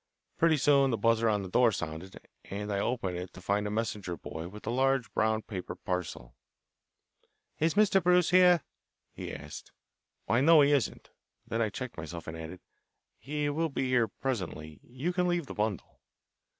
Pretty soon the buzzer on the door sounded, and I opened it to find a messenger boy with a large brown paper parcel. "Is Mr. Bruce here?" he asked. "Why, no, he doesn't " then I checked myself and added "He will be here presently. You can leave the bundle."